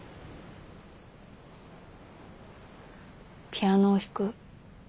ピアノを弾く。